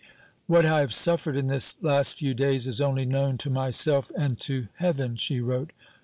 "What I have suffered in this last few days is only known to myself and to heaven," she wrote.